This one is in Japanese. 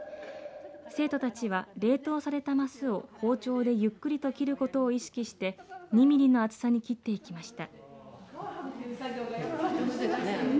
生徒たちは冷凍されたマスを包丁でゆっくり切ることを意識して２ミリの厚さに切っていきました。